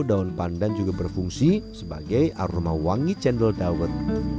daun pandan juga berfungsi sebagai aroma wangi cendol dawet